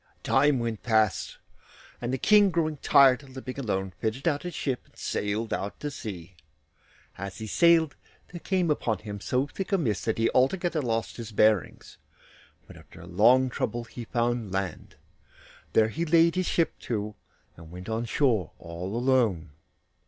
Time went past, and the King, growing tired of living alone, fitted out his ship and sailed out to sea. As he sailed there came upon him so thick a mist that he altogether lost his bearings, but after long trouble he found land. There he laid his ship to, and went on shore all alone.